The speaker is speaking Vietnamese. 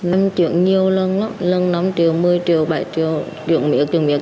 em chuyển nhiều lần lắm lần năm triệu một mươi triệu bảy triệu chuyển miệng chuyển miệng